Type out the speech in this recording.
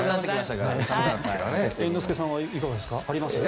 猿之助さんはいかがですか？